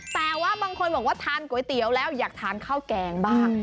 แต่ว่าบางคนบอกว่าทานก๋วยเตี๋ยวแล้วอยากทานข้าวแกงบ้าง